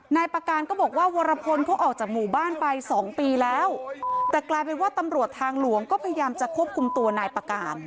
นายประการก็บอกว่าวรพลเขาออกจากหมู่บ้านไปสองปีแล้วแต่กลายเป็นว่าตำรวจทางหลวงก็พยายามจะควบคุมตัวนายประการ